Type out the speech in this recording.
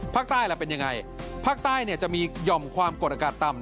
ภาคใต้เป็นยังไงภาคใต้จะมียอมความกดอากาศต่ำ